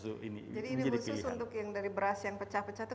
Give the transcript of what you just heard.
jadi ini khusus untuk yang dari beras yang pecah pecah itu